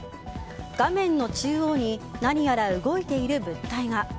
画面の中央に何やら動いている物体が。